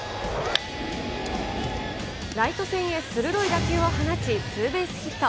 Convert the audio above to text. ライト線へ鋭く打球を放ち、ツーベースヒット。